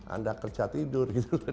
anda kerja tidur gitu kan